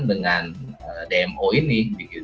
dengan dmo ini